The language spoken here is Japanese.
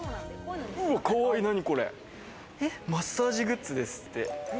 マッサージグッズですって。